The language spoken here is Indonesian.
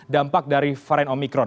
dampak dari varen omikron